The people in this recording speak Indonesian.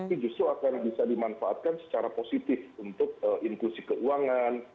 ini justru akan bisa dimanfaatkan secara positif untuk inklusi keuangan